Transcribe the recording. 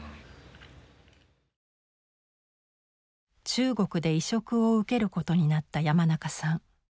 中国で移植を受けることになった山中さん。